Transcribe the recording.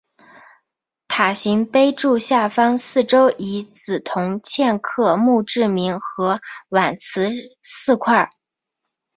塔形碑柱下方四周以紫铜嵌刻墓志铭和挽词四块。